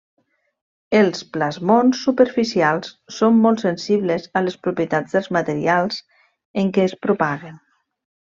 Els plasmons superficials són molt sensibles a les propietats dels materials en què es propaguen.